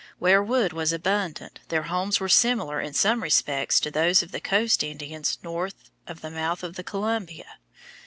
Where wood was abundant their homes were similar in some respects to those of the coast Indians north of the mouth of the Columbia.